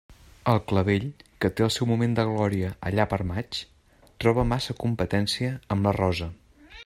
El clavell, que té el seu moment de glòria allà per maig, troba massa competència amb la rosa.